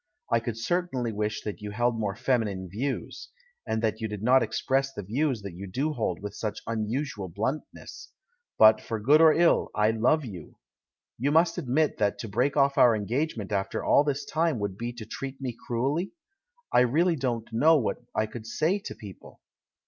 I could cer tainly wish that you held more feminine views — THE CHILD IN THE GARDEN 167 and that you did not express the views that you do hold with such unusual bluntness — but, for good or ill, I love you. You must admit that to break off our engagement after all this time would be to treat me cruelly? I really don't know what I could say to people!"